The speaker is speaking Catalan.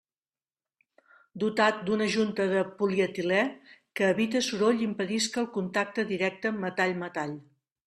Dotat d'una junta de polietilé, que evite soroll i impedisca el contacte directe metall-metall.